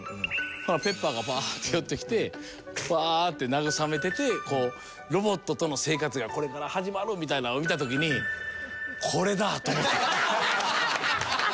ほなＰｅｐｐｅｒがバーって寄ってきてフワって慰めててロボットとの生活がこれから始まるみたいなんを見た時にこれだと思った。